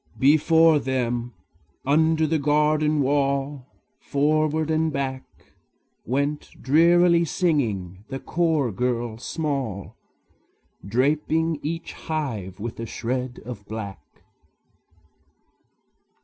Before them, under the garden wall, Forward and back, Went drearily singing the chore girl small, Draping each hive with a shred of black.